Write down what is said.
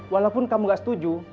walaupun kamu gak setuju